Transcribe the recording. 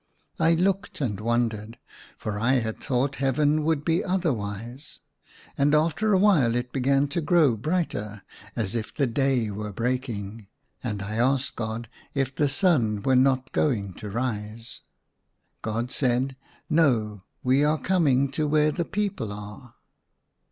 I looked and wondered, for I had thought Heaven would be otherwise. And after a while it began to grow brighter, as if the day were breaking, i62 THE SUNLIGHT LA V and I asked God if the sun were not going to rise. God said, " No ; we are coming to where the people are."